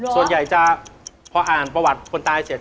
ส่วนใหญ่จะพออ่านประวัติคนตายเสร็จ